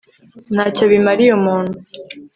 nta cyo bimariye umuntu